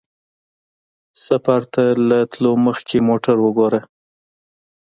سفر ته د تلو مخکې موټر وګوره.